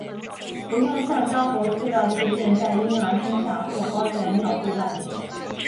不用橡胶和塑料布垫在婴儿身下或包在尿布外面。